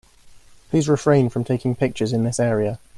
Please refrain from taking pictures in this area.